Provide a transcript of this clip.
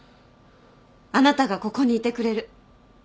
あなたがここにいてくれる。